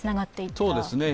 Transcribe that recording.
そうですね。